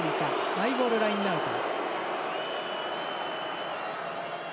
マイボールラインアウト。